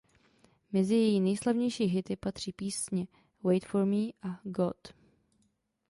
Mezi její nejslavnější hity patří písně "Wait for me" a "God".